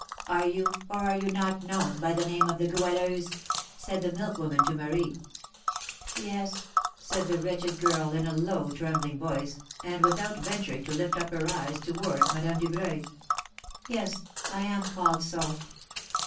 "Are you, or are you not known by the name of the Goualeuse?" said the milk woman to Marie. "Yes," said the wretched girl, in a low, trembling voice, and without venturing to lift up her eyes towards Madame Dubreuil, "yes, I am called so."